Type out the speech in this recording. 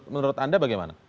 menurut anda bagaimana